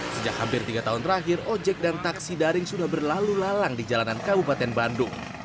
sejak hampir tiga tahun terakhir ojek dan taksi daring sudah berlalu lalang di jalanan kabupaten bandung